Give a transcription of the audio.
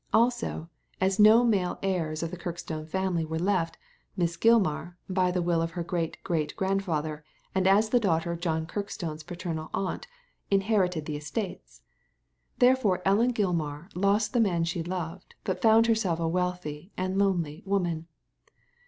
Also, as no male heirs of the Kirkstone family were left, Miss Gilmar, by the will of her great great grandfather, and as the daughter of John Kirkstone's paternal aunt; inherited the estates. Therefore Ellen Gilmar lost the man she loved, but found herself a wealthy and lonely woman.